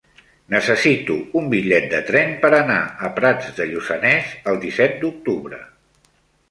Necessito un bitllet de tren per anar a Prats de Lluçanès el disset d'octubre.